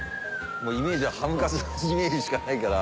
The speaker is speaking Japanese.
イメージはハムカツのイメージしかないから。